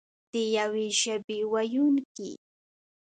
د یوې ژبې ویونکي.